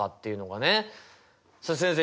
さあ先生